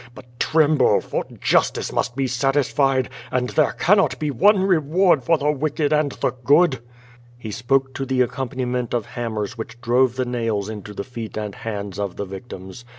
15ut tremble, for justice must be satisfied, and there cannot be one reward for the wicked and the good!" He spoke to the accompaniment of hammers which drove the nails into the feet and hands of the victims.